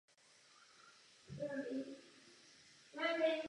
Od doby úmrtí manželky jej zbavil jeho funkce a nadále mu nesměl sloužit.